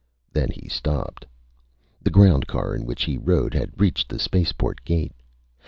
Then he stopped. The ground car in which he rode had reached the spaceport gate.